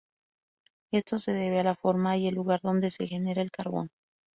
Esto se debe a la forma y el lugar donde se genera el carbón.